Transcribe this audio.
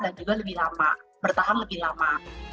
dan juga lebih lama bertahan lebih lama